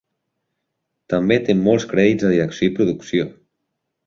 També té molts crèdits de direcció i producció.